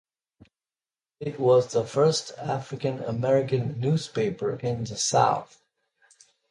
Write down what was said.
It was the first African American newspaper in the South.